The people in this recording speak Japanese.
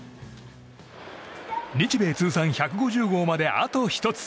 日米通算１５０号まであと１つ。